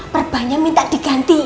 perbannya minta digantiin mbak